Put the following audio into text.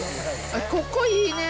ここいいね。